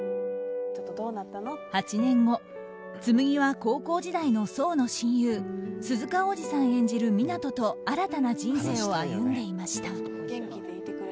８年後、紬は高校時代の想の親友鈴鹿央士さん演じる湊斗と新たな人生を歩んでいました。